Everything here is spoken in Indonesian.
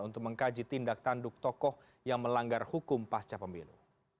untuk mengkaji tindak tanduk tokoh yang melanggar hukum pasca pemilu